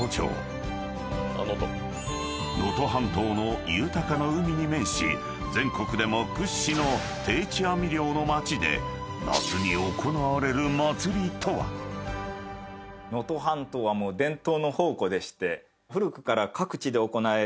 ［能登半島の豊かな海に面し全国でも屈指の定置網漁の町で夏に行われる祭りとは？］というのがあります。